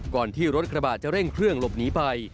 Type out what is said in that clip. ก่อนที่รถกระบะจะเร่งเครื่องหลบหนีไป